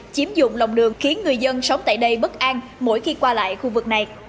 chiếm dụng lòng đường khiến người dân sống tại đây bất an mỗi khi qua lại khu vực này